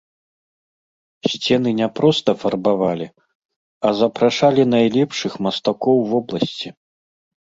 Сцены не проста фарбавалі, а запрашалі найлепшых мастакоў вобласці.